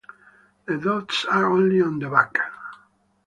The dots are only on the back.